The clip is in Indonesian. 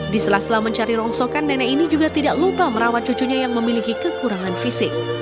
di sela sela mencari rongsokan nenek ini juga tidak lupa merawat cucunya yang memiliki kekurangan fisik